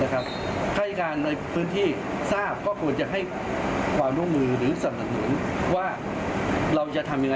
กลับไปนั่งกินกาแฟกับเจ้าของคอนโดที่มีหลายอย่าง